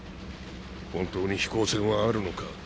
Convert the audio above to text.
本当に飛行船はあるのか？